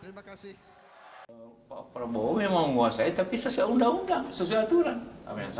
ima sehat mengumetkan pengkontrolinya di tim yang bukan cojine member